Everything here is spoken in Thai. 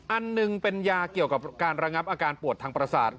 อันหนึ่งเป็นยาเกี่ยวกับการระงับอาการปวดทางประสาท